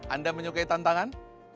anda menyukai tantangan